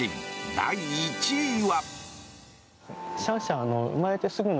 第１位は。